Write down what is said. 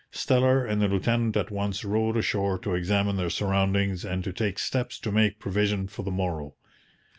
Steller and the lieutenant at once rowed ashore to examine their surroundings and to take steps to make provision for the morrow.